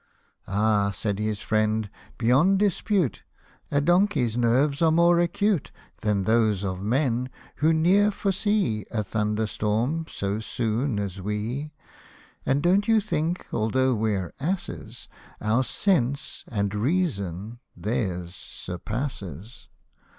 " Ah !" said his friend, " beyond dispute, A donkey's nerves are more acute Than those of men, who ne'er foresee A thunder storm so soon as we ; And don't you think although we're asses, Our sense and reason their's surpasses